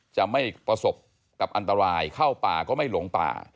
จะไม่ประสบกับอันตรายเข้าป่าก็ไม่หลงป่า